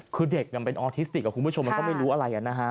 คือเด็กมันเป็นออทิสติกคุณผู้ชมมันก็ไม่รู้อะไร